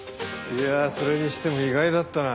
いやあそれにしても意外だったな。